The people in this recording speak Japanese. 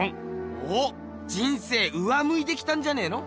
おっ人生上むいてきたんじゃねえの？